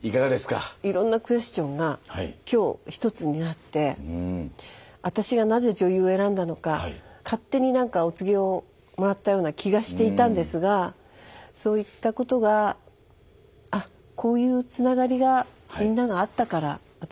いろんなクエスチョンが今日一つになって私がなぜ女優を選んだのか勝手になんかお告げをもらったような気がしていたんですがそういったことがあっこういうつながりがみんながあったから私